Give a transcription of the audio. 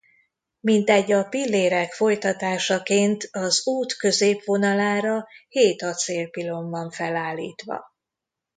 Mintegy a pillérek folytatásaként az út középvonalára hét acél pilon van felállítva.